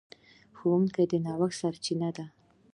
ښوونځی د نوښت سرچینه ده